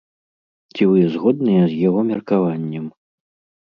Ці вы згодныя з яго меркаваннем?